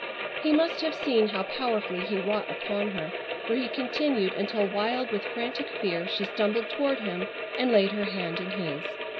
He must have seen how powerfully he wrought upon her, for he continued until wild with frantic fear she stumbled toward him and laid her hand in his.